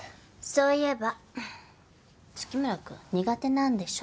そういえば月村君苦手なんでしょ？